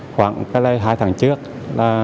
khoảng hai tháng trước